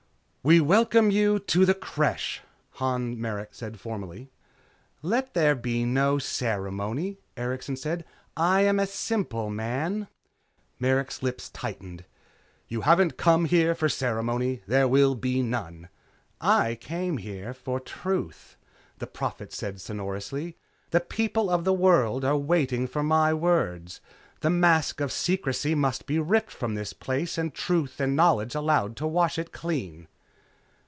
"We welcome you to the Creche," Han Merrick said formally. "Let there be no ceremony," Erikson said, "I am a simple man." Merrick's lips tightened. "You haven't come here for ceremony. There will be none." "I came for truth," the Prophet said sonorously. "The people of the world are waiting for my words. The mask of secrecy must be ripped from this place and truth and knowledge allowed to wash it clean."